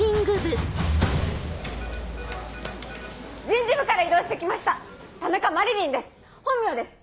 人事部から異動して来ました田中麻理鈴です本名です。